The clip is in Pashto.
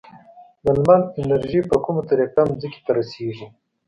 د لمر انرژي په کومه طریقه ځمکې ته رسیږي؟